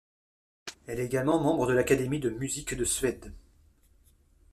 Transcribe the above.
Elle est également membre de l'Académie de musique de Suède.